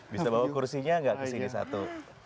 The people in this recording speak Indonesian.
bisa bawa kursinya nggak kesini satu